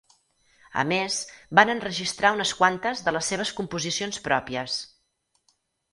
A més, van enregistrar unes quantes de les seves composicions pròpies.